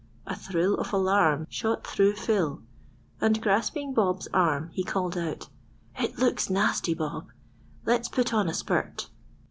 A thrill of alarm shot threw Phil, and grasping Bob's arm he called out,— "It looks nasty, Bob; let's put on a spurt."